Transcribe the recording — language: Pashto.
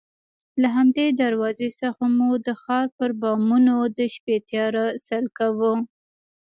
له همدې دروازې څخه مو د ښار پر بامونو د شپې تیاره سیل کاوه.